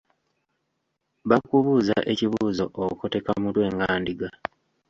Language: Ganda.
Bakubuuza ekibuuzo okoteka mutwe nga ndiga.